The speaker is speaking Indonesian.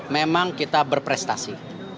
memang kita berprestasi